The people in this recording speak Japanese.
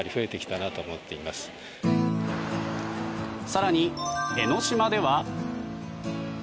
更に、江の島では。